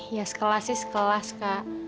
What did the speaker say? ya sekelas sih sekelas kak